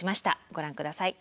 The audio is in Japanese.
ご覧ください。